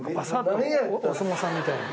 お相撲さんみたいに。